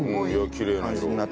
きれいな色。